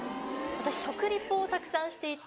私食リポをたくさんしていて。